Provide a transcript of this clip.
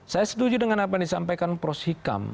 saya setuju dengan apa yang disampaikan prof hikam